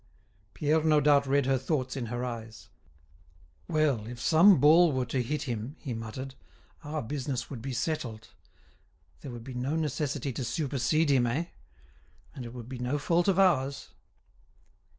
Pierre no doubt read her thoughts in her eyes. "Well, if some ball were to hit him," he muttered, "our business would be settled. There would be no necessity to supercede him, eh? and it would be no fault of ours."